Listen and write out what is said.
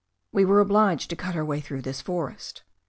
We were obliged to cut our way through this forest.